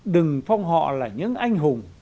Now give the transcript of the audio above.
đừng phong họ là những anh hùng